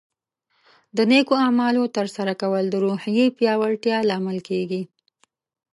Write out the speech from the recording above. د نیکو اعمالو ترسره کول د روحیې پیاوړتیا لامل کیږي.